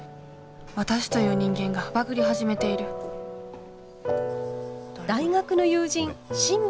私という人間がバグり始めている大学の友人慎吾に相談すると。